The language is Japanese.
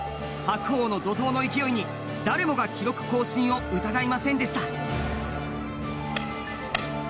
白鵬の怒涛の勢いに誰もが記録更新を疑いませんでした。